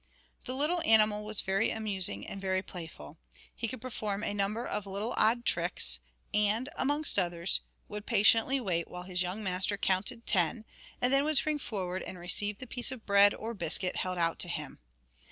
The little animal was very amusing and very playful. He could perform a number of little odd tricks, and, amongst others, would patiently wait while his young master counted ten, and then would spring forwards and receive the piece of bread or biscuit held out to him.